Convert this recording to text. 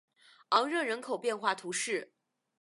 昂热人口变化图示